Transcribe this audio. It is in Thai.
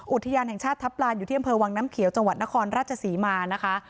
อุทยานแห่งชาติทัพลานอยู่ที่อำเภอวังน้ำเขียวจังหวัดนครราชศรีมานะคะ